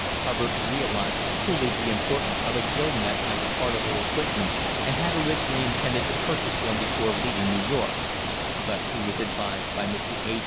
Hubbard realised fully the importance of a gill net as a part of our equipment and had originally intended to purchase one before leaving New York; but he was advised by Mr. A.